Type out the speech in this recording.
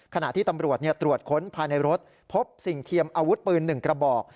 ขณะที่ตำรวจตรวจค้นภายในรถพบสิ่งเทียมอาวุธปืน๑กระบอก